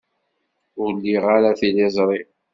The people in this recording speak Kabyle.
Ur liɣ ara tiliẓri.